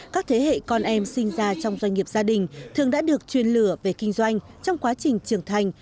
các thế hệ con em sinh ra trong doanh nghiệp gia đình thường đã được chuyên lửa về kinh doanh trong quá trình trưởng thành